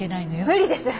無理です！